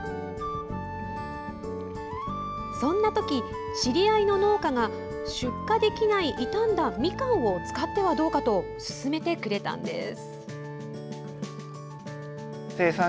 そんなとき、知り合いの農家が出荷できない傷んだみかんを使ってはどうかと勧めてくれたんです。